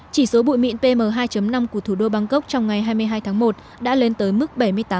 chỉ số bụi mịn pm hai năm của thủ đô bangkok trong ngày hai mươi hai tháng một đã lên tới mức bảy mươi tám